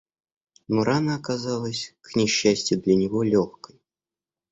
Но рана оказалась, к несчастью для него, легкой.